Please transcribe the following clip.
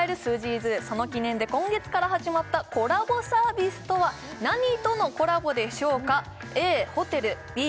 ’ｓＺｏｏその記念で今月から始まったコラボサービスとは何とのコラボでしょうか